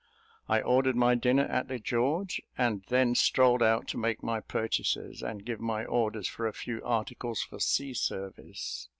I ordered my dinner at the George, and then strolled out to make my purchases, and give my orders for a few articles for sea service.